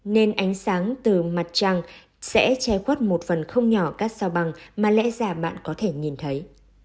nên ánh sáng từ mặt trăng sẽ che khuất một phần không nhỏ các sao bằng mà lẽ ra bạn có thể nhìn thấy